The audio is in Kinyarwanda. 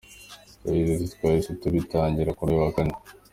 Yagize ati “Twahise tubitangira ku wa Kane.